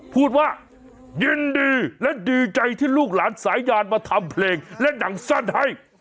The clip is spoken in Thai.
พูดว่ายินดีและดีใจที่ลูกหลานสายยานมาทำเพลงและหนังสั้นให้